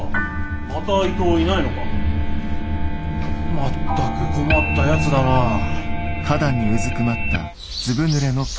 まったく困ったやつだな。なんてこと。